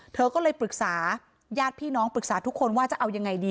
เธอก็เลยปรึกษาญาติพี่น้องปรึกษาทุกคนว่าจะเอายังไงดี